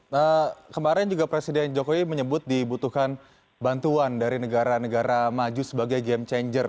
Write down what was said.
nah kemarin juga presiden jokowi menyebut dibutuhkan bantuan dari negara negara maju sebagai game changer